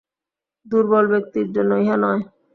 দুর্বল ব্যক্তির জন্য ইহা নয়।